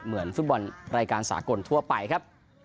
เหมือนฟุตบอลรายการสากลทั่วไปครับ